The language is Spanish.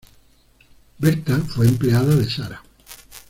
Berta fue empleada de Sara.